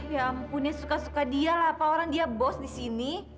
ya ampun ya suka suka dia lah apa orang dia bos di sini